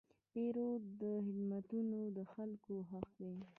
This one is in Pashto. د پیرود خدمتونه د خلکو خوښ دي.